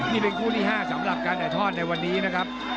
นี่เป็นคู่ที่๕สำหรับการถ่ายทอดในวันนี้นะครับ